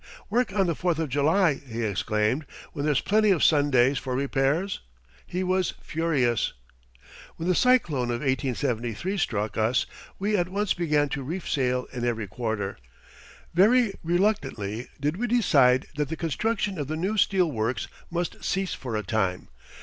"Work on the Fourth of July!" he exclaimed, "when there's plenty of Sundays for repairs!" He was furious. When the cyclone of 1873 struck us we at once began to reef sail in every quarter. Very reluctantly did we decide that the construction of the new steel works must cease for a time.